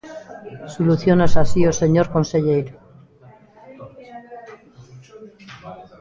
Soluciónase así, señor conselleiro.